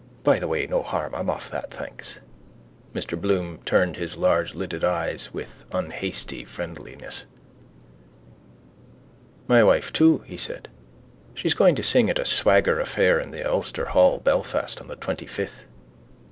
By the way no harm. I'm off that, thanks. Mr Bloom turned his largelidded eyes with unhasty friendliness. —My wife too, he said. She's going to sing at a swagger affair in the Ulster Hall, Belfast, on the twentyfifth.